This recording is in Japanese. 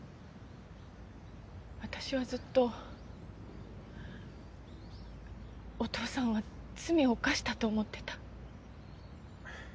私はずっとお父さんは罪を犯したと思ってた。